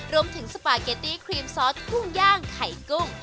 รวมถึงสปาเกตตี้ครีมซอสพุ่งย่างไข่กุ้ง